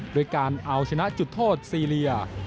โดยการเอาชนะจุดโทษซีเรีย